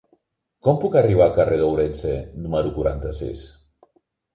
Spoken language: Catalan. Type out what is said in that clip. Com puc arribar al carrer d'Ourense número quaranta-sis?